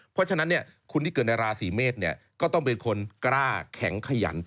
เพราะฉะนั้นคนที่เกิดในราศีเมษก็ต้องเป็นคนกล้าแข็งขยัน